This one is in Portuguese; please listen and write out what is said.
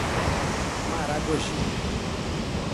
Maragogi